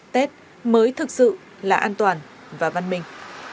tết mới thực sự là an toàn và văn minh